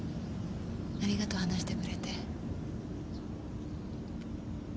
ありがとう話してくれて。